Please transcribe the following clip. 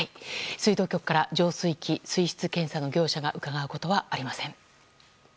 水道局から浄水器、水質調査の業者が伺うことはありません。